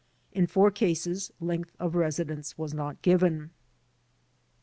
In 4 cases length of residence was not given.